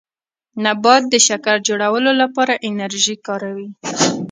نبات د شکر جوړولو لپاره انرژي کاروي